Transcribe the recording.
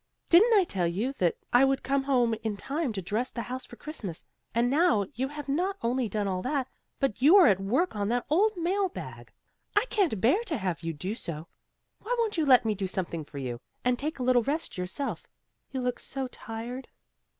"Didn't I tell you that I would come home in time to dress the house for Christmas, and now you have not only done all that, but you are at work on that old mail bag. I can't bear to have you do so. Why won't you let me do something for you, and take a little rest yourself. You look so tired."